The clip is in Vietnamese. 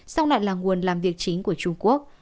song lại là nguồn làm việc chính của trung quốc